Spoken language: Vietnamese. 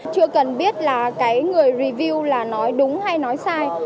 chưa cần biết là cái người review là nói đúng hay nói sai